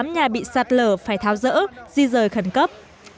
tám mươi tám nhà bị sạt lở phải tháo rỡ di rời khẩn cấp